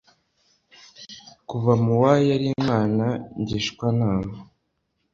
kuva mu wa yari inama ngishwanama